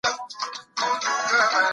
پرون خلګو د اسلام د عدل په اړه بحث کاوه.